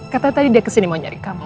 katanya tadi dia kesini mau nyari kamu